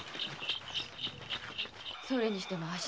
それにしても足の傷。